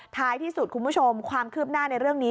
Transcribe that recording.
ท้ายที่สุดคุณผู้ชมความคืบหน้าในเรื่องนี้